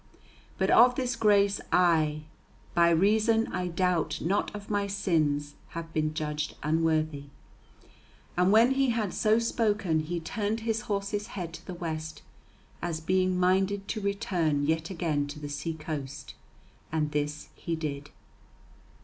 But of this grace I, by reason I doubt not of my sins, have been judged unworthy." And when he had so spoken he turned his horse's head to the west, as being minded to return yet again to the sea coast. And this he did.